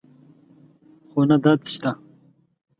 خو نه درد شته